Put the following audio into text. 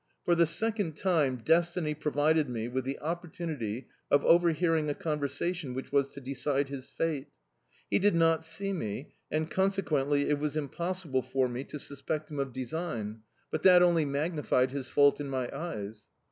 For the second time destiny provided me with the opportunity of overhearing a conversation which was to decide his fate. He did not see me, and, consequently, it was impossible for me to suspect him of design; but that only magnified his fault in my eyes.